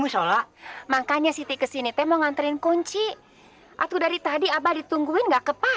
salah satu perka awalnya